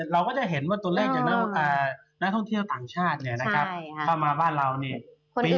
เราก็จะเห็นว่าตัวแรกจากนักท่องเที่ยวต่างชาติเข้ามาบ้านเรานี่